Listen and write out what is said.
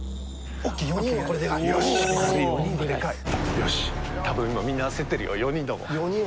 よし、多分みんな焦ってるよ、４人だもん。